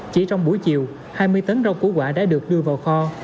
chỉ trong buổi chiều hai mươi tấn rau củ quả đã được đưa vào kho